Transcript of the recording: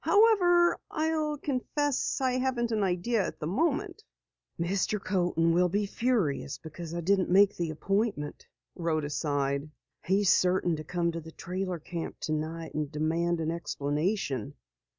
However, I'll confess I haven't an idea at the moment." "Mr. Coaten will be furious because I didn't keep the appointment," Rhoda sighed. "He's certain to come to the trailer camp tonight and demand an explanation."